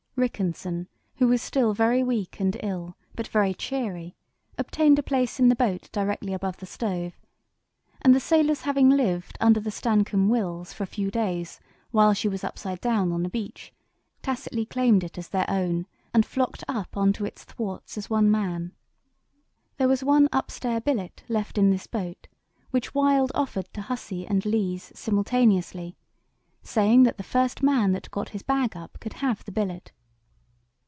"Rickenson, who was still very weak and ill, but very cheery, obtained a place in the boat directly above the stove, and the sailors having lived under the Stancomb Wills for a few days while she was upside down on the beach, tacitly claimed it as their own, and flocked up on to its thwarts as one man. There was one 'upstair' billet left in this boat, which Wild offered to Hussey and Lees simultaneously, saying that the first man that got his bag up could have the billet.